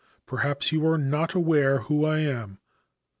Perhaps you are not aware who I am.